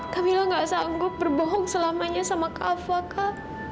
kak mila gak sanggup berbohong selamanya sama kak fah kak